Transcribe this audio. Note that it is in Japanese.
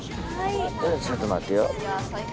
ちょっと待ってよ。